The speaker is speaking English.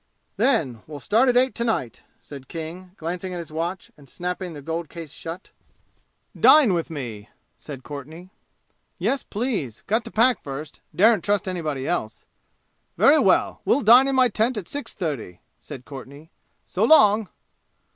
"Then, we'll start at eight to night!" said King, glancing at his watch and snapping the gold case shut. "Dine with me," said Courtenay. "Yes, please. Got to pack first. Daren't trust anybody else." "Very well. We'll dine in my tent at six thirty," said Courtenay. "So long!"